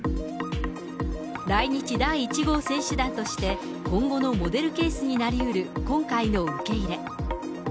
来日第１号選手団として、今後のモデルケースになりうる今回の受け入れ。